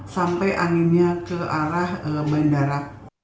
sampai anginnya ke arah bandara